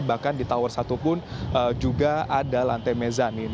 bahkan di tower satu pun juga ada lantai mezanin